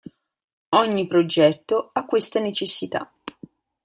Ogni progetto ha questa necessità.